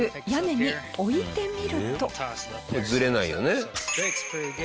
ずれないよねうん。